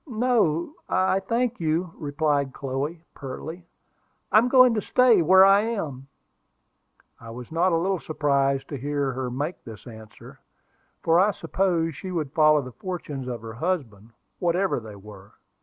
"No, I thank you!" replied Chloe, pertly. "I'm going to stay where I am." I was not a little surprised to hear her make this answer, for I supposed she would follow the fortunes of her husband, whatever they were.